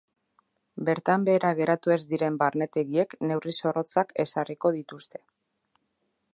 Bertan behera geratu ez diren barnetegiek neurri zorrotzak ezarriko dituzte.